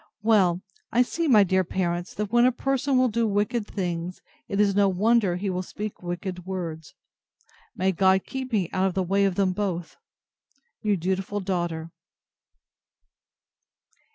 Well! I see, my dear parents, that when a person will do wicked things, it is no wonder he will speak wicked words. May God keep me out of the way of them both! Your dutiful DAUGHTER.